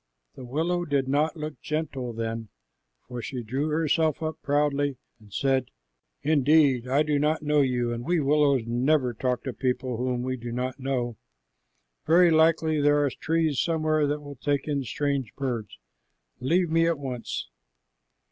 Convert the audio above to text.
The willow did not look gentle then, for she drew herself up proudly and said, "Indeed, I do not know you, and we willows never talk to people whom we do not know. Very likely there are trees somewhere that will take in strange birds. Leave me at once."